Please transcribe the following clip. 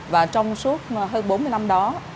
và trong suốt hơn bốn mươi năm đó